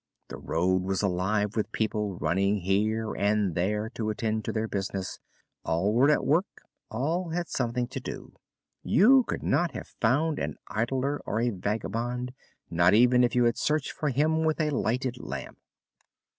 The road was alive with people running here and there to attend to their business; all were at work, all had something to do. You could not have found an idler or a vagabond, not even if you had searched for him with a lighted lamp.